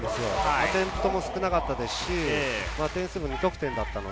アテンプトも少なかったですし、点数も無得点でした。